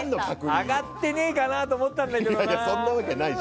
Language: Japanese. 上がってないかなと思ったんだけど３位か。